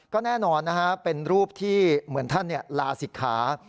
ก็แน่นอนนะฮะเป็นรูปที่เหมือนท่านลาศิกขา